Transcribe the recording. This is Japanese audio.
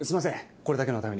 これだけのために。